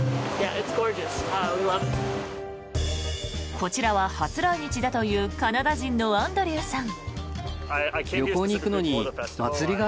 こちらは初来日だというカナダ人のアンドリューさん。